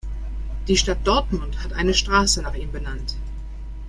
Die Stadt Dortmund hat eine Straße nach ihm benannt.